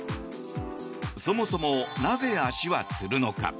そもそもなぜ足はつるのか。